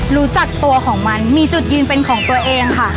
รู้จักตัวของมันมีจุดยืนเป็นของตัวเองค่ะ